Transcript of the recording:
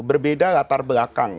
berbeda latar belakang